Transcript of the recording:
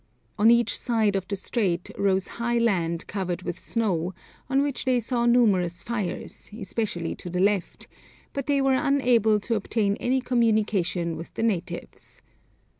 On each side of the strait rose high land covered with snow, on which they saw numerous fires, especially to the left, but they were unable to obtain any communication with the natives.